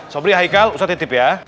sobri haikal usah titip ya